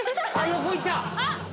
横行った！